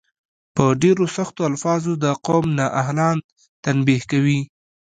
په ډیرو سختو الفاظو د قوم نا اهلان تنبیه کوي.